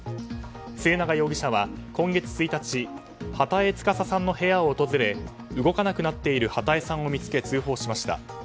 末永容疑者は今月１日波多江司さんの部屋を訪れ動かなくなっている波多江さんを見つけ通報しました。